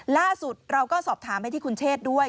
ล่าสุดเราก็สอบถามไปที่คุณเชษด้วย